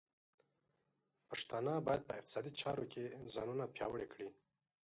پښتانه بايد په اقتصادي چارو کې ځانونه پیاوړي کړي.